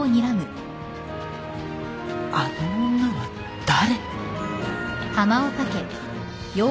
あの女は誰？